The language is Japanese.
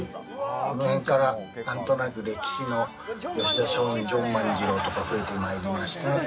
この辺からなんとなく歴史の『吉田松陰』『ジョン万次郎』とか増えてまいりまして